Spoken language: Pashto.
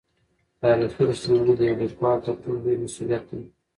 تاریخي رښتینولي د یو لیکوال تر ټولو لوی مسوولیت دی.